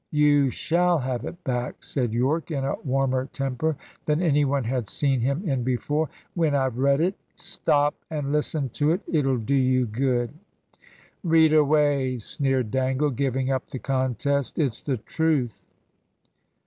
"You shall have it back," said Yorke in a warmer temper than any one had seen him in before, "when I've read it. Stop, and listen to it. It'll do you good." "Read away!" sneered Dangle, giving up the contest. "It's the truth."